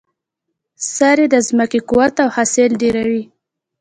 سرې د ځمکې قوت او حاصل ډیروي.